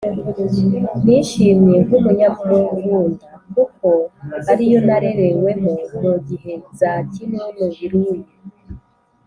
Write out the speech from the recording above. nishimye nk’umunyamurunda kuko ari yo narerewemo mu gihe za kinunu, biruyi,